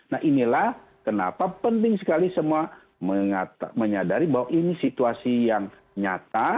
nah inilah kenapa penting sekali semua menyadari bahwa ini situasi yang nyata